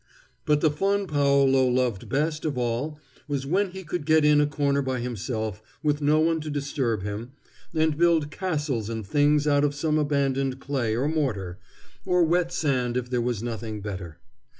But the fun Paolo loved best of all was when he could get in a corner by himself, with no one to disturb him, and build castles and things out of some abandoned clay or mortar, or wet sand if there was nothing better.